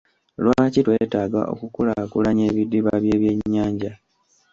Lwaki twetaaga okukulaakulanya ebidiba by'ebyennyanja?